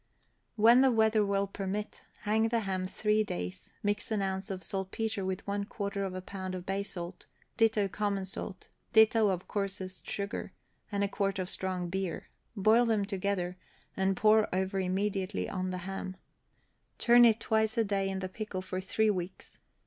When the weather will permit, hang the ham three days; mix an ounce of saltpetre with one quarter of a pound of bay salt, ditto common salt, ditto of coarsest sugar, and a quart of strong beer; boil them together, and pour over immediately on the ham; turn it twice a day in the pickle for three weeks.